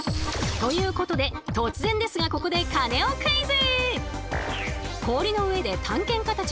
ということで突然ですがここでカネオクイズ！